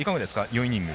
４イニング。